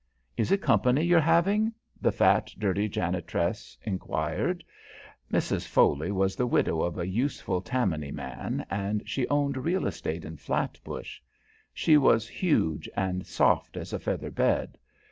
"Is it company you're having?" the fat, dirty janitress enquired. Mrs. Foley was the widow of a useful Tammany man, and she owned real estate in Flatbush. She was huge and soft as a feather bed.